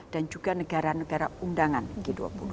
dan juga negara negara undangan g dua puluh